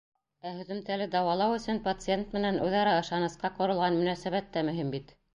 Ә һөҙөмтәле дауалау өсөн пациент менән үҙ-ара ышанысҡа ҡоролған мөнәсәбәт тә мөһим бит.